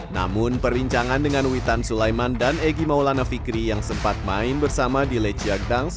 namun perbincangan dengan witan sulaiman dan egy maulana fikri yang sempat main bersama di legiak dance